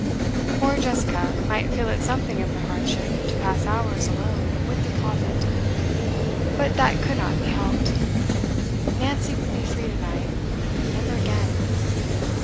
Poor Jessica might feel it something of a hardship to pass hours alone with 'the Prophet,' but that could not be helped. Nancy would be free to night, if never again.